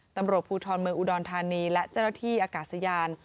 ตำรวจภูทรเมืองอุดรธานีและเจ้าหน้าที่อากาศยาน